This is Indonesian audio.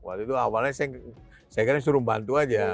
waktu itu awalnya saya kira suruh bantu aja